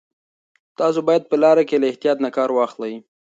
تاسو باید په لاره کې له احتیاط نه کار واخلئ.